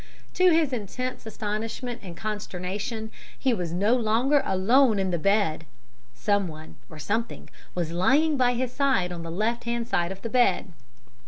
"To his intense astonishment and consternation he was no longer alone in the bed someone, or something, was lying by his side on the left hand side of the bed.